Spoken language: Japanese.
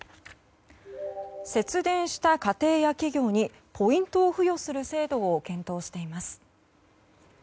節電した家庭や企業にポイントを付与する制度を検討しています。